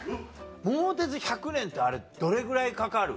『桃鉄』１００年ってあれどれぐらいかかる？